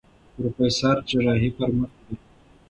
پروفېسر جراحي پر مخ وړي.